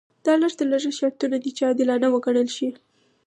دا لږ تر لږه شرطونه دي چې عادلانه وګڼل شي.